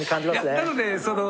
いやなのでその。